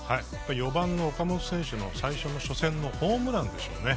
４番の岡本選手の初戦のホームランでしょうね。